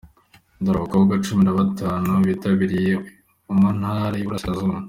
Dore abakobwa cumi na batanu bitabiriye mu ntara y'Iburasirazuba;.